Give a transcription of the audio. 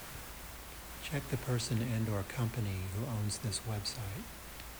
Check the person and/or company who owns this website.